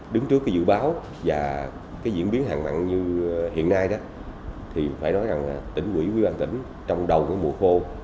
đứng trước cái dự báo và cái diễn biến hàng mặn như hiện nay đó thì phải nói rằng là tỉnh quỹ quỹ ban tỉnh trong đầu của mùa khô